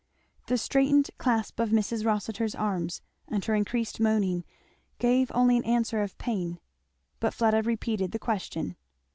The straightened clasp of Mrs. Rossitur's arms and her increased moaning gave only an answer of pain. But Fleda repeated the question.